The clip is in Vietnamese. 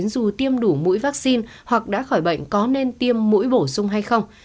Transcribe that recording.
dù tiêm đủ mũi vaccine hoặc đã khỏi bệnh có nên tiêm mũi bổ sung hay không